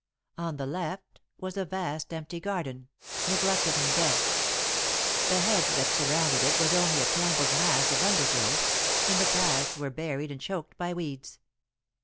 On the left was a vast, empty garden, neglected and dead. The hedge that surrounded it was only a tangled mass of undergrowth, and the paths were buried and choked by weeds.